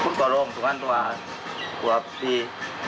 พูดก็ลงส่วนอันตรูว่าพูดว่าพี่